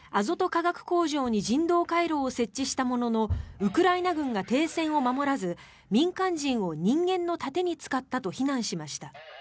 化学工場に人道回廊を設置したもののウクライナ軍が停戦を守らず民間人を人間の盾に使ったと非難しました。